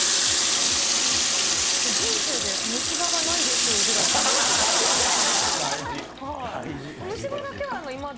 人生で虫歯がないでしょうぐ大事！